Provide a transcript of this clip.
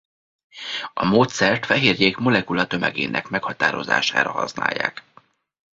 A módszert fehérjék molekulatömegének meghatározására használják.